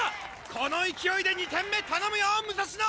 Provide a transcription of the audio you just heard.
この勢いで２点目頼むよ武蔵野！